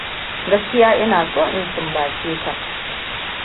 Gaskiya ina so in sumbace ka.